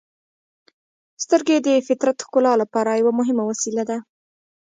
• سترګې د فطرت ښکلا لپاره یوه مهمه وسیله ده.